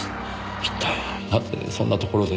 一体なぜそんなところで。